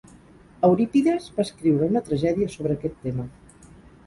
Eurípides va escriure una tragèdia sobre aquest tema.